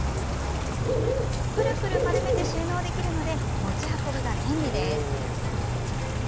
くるくる丸めて収納できるので持ち運びが便利です。